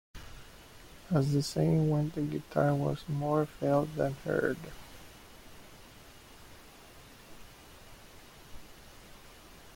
As the saying went, the guitar was more felt than heard.